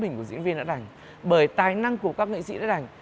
hình ảnh của diễn viên đã đành bởi tài năng của các nghệ sĩ đã ảnh